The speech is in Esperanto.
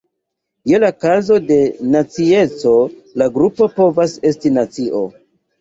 Je la kazo de nacieco la grupo povas esti nacio.